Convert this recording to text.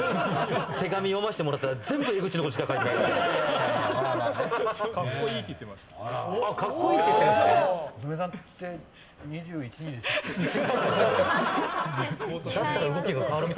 手紙読ませてもらったら全部江口のことしか書いていなかった。